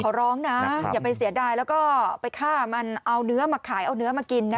ขอร้องนะอย่าไปเสียดายแล้วก็ไปฆ่ามันเอาเนื้อมาขายเอาเนื้อมากินนะ